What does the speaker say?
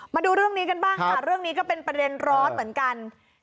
มาดูเรื่องนี้กันบ้างค่ะเรื่องนี้ก็เป็นประเด็นร้อนเหมือนกัน